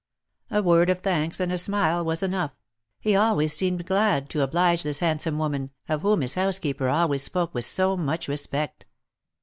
A word of thanks and a smile was enough ; he always seemed glad to oblige this handsome woman, of whom his housekeeper always spoke with so much respect.